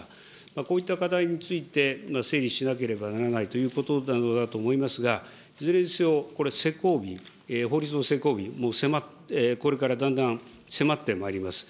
こういった課題について整理しなければならないということなのだと思いますが、いずれにせよ、これ、施行日、法律の施行日も、だんだん迫ってまいります。